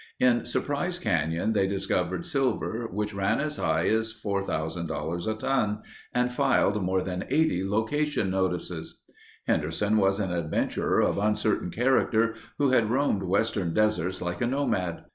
In Surprise Canyon they discovered silver which ran as high as $4000 a ton and filed more than 80 location notices. Henderson was an adventurer of uncertain character who had roamed western deserts like a nomad.